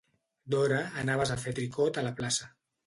D'hora, anaves a fer tricot a la plaça.